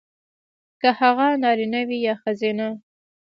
کـه هغـه نـاريـنه وي يـا ښـځيـنه .